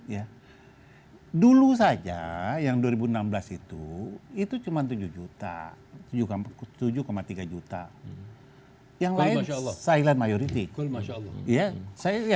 ya dulu saja yang dua ribu enam belas itu itu cuman tujuh juta juga tujuh tiga juta yang lain silen maioriti kul masya allah